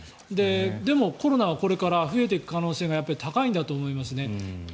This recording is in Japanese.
でも、コロナはこれから増えていく可能性が高いんだと思いますね。